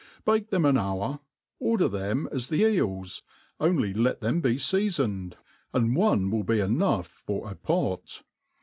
Bake them an hour ; order them as the eels, only let them be feafoned, and one will be enough for a pot.